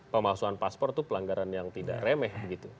pemalsuan paspor itu pelanggaran yang tidak remeh